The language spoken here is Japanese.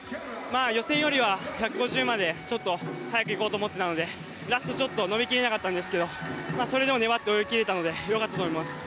予選よりは１５０まで速くいこうと思っていたのでラスト、ちょっと伸びきれなかったんですけどそれでも粘って泳ぎ切れたので良かったと思います。